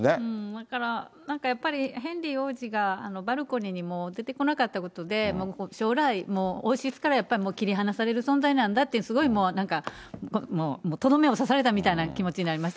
だから、やっぱり、ヘンリー王子がバルコニーにもう出てこなかったことで、将来、もう王室からもう切り離される存在なんだって、すごいもうなんか、とどめを刺されたみたいな気持ちになりました。